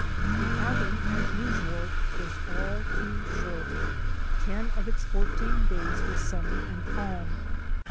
This outing, as usual, was all too short. Ten of its fourteen days were sunny and calm.